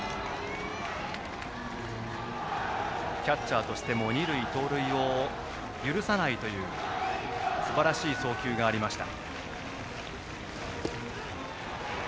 キャッチャーとしても二塁盗塁を許さないというすばらしい送球がありました。